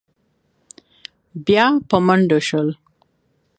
بيا په منډو شول.